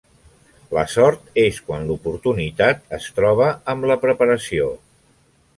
La sort és quan l'oportunitat es troba amb la preparació.